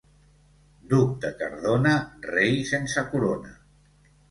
Duc de Cardona, rei sense corona.